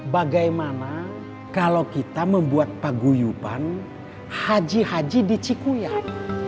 bagaimana kalau kita membuat paguyupan haji haji di cikuyang